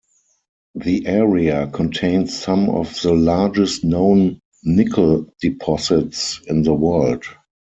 The area contains some of the largest known nickel deposits in the world.